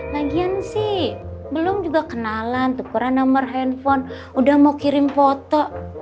lagian sih belum juga kenalan tukuran nomor handphone udah mau kirim foto